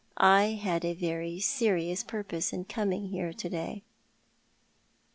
I had a very serious purpose in coming here to day."